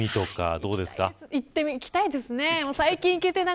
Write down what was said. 行きたいですね。